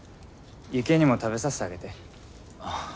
ユキエにも食べさせてあげて。